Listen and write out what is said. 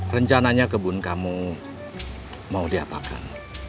rencananya kebun kamu mau diapakan